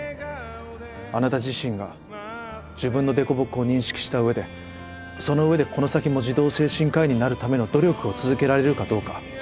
あなた自身が自分の凸凹を認識した上でその上でこの先も児童精神科医になるための努力を続けられるかどうか。